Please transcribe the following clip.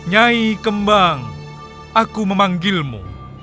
jaih kembang aku memanggilmu